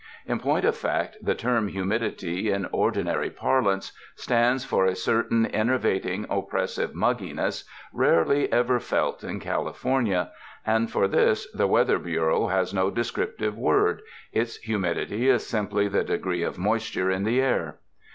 In point of fact the term "humidity" in ordinary parlance, stands for a certain enervating, oppressive raugginess rarely ever felt in California, and for this the Weather Bureau has no descriptive word — its humidity is simply the degree of moisture in the air.